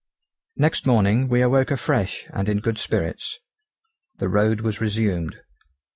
Next morning, we awoke fresh and in good spirits. The road was resumed.